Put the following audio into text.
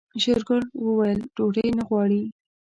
شېرګل وويل ډوډۍ نه غواړي.